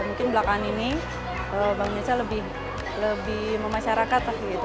mungkin belakaan ini bank indonesia lebih memasyarakat